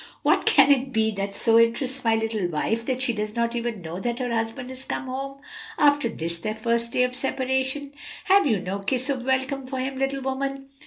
"What can it be that so interests my little wife that she does not even know that her husband has come home, after this their first day of separation? Have you no kiss of welcome for him, little woman?"